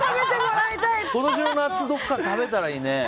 今年の夏どこかで食べられたらいいね。